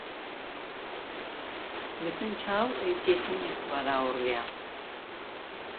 Defentsa hau eutsi ezinezkoa da, ordea.